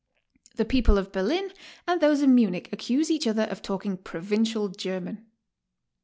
The people of Berlin and those of Munich accuse each other of talking provincial German.